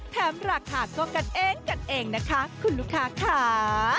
ราคาก็กันเองกันเองนะคะคุณลูกค้าค่ะ